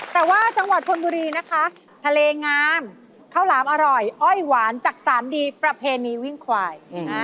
แต่ว่าจังหวัดชนบุรีนะคะทะเลงามข้าวหลามอร่อยอ้อยหวานจักษานดีประเพณีวิ่งควาย